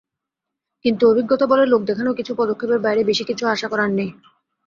কিন্তু অভিজ্ঞতা বলে, লোক-দেখানো কিছু পদক্ষেপের বাইরে বেশি কিছু আশা করার নেই।